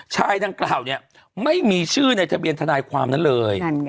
ชายดังกล่าวเนี่ยไม่มีชื่อในทะเบียนทนายความนั้นเลย